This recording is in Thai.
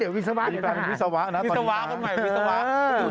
อ๋อเดี๋ยววิศวะเดี๋ยววิศวะวิศวะวิศวะวิศวะวิศวะวิศวะดู